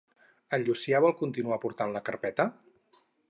En Llucià vol continuar portant la carpeta?